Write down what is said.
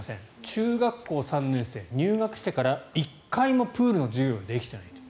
中学校３年生は入学してから１回もプールの授業、できていないと。